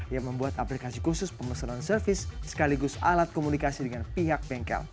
yang membuat aplikasi khusus pemesanan servis sekaligus alat komunikasi dengan pihak bengkel